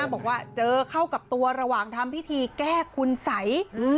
บอกว่าเจอเข้ากับตัวระหว่างทำพิธีแก้คุณสัย